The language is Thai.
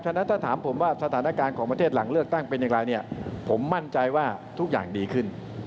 ฉะนั้นถ้าถามผมว่าสถานการณ์ของประเทศหลังเลือกตั้งเป็นอย่างไรเนี่ยผมมั่นใจว่าทุกอย่างดีขึ้น